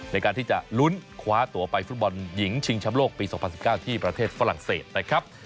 ในการที่จะลุ้นคว้าตัวไปฟุตบอลหญิงชิงชำโลกปี๒๐๑๙ที่ประเทศฝรั่งเศสนะครับ